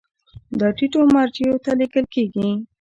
دا ټیټو مرجعو ته لیږل کیږي.